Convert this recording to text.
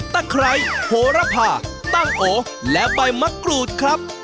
ไคร้โหระพาตั้งโอและใบมะกรูดครับ